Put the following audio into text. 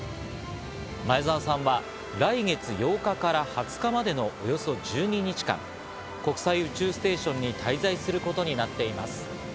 前澤さんは来月８日から２０日までのおよそ１２日間、国際宇宙ステーションに滞在することになっています。